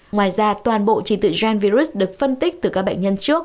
ngoài ra toàn bộ trình tựu gian virus được phân tích từ các bệnh nhân trước